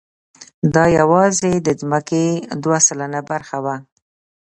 دا یواځې د ځمکې دوه سلنه برخه وه.